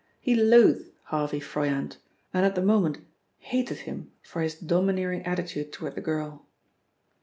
He loathed Harvey Froyant, and at the moment hated him for his domineering attitude toward the girl.